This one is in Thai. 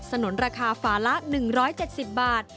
นุนราคาฝาละ๑๗๐บาท